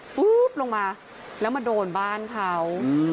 ปุ๊บลงมาแล้วมาโดนบ้านเขา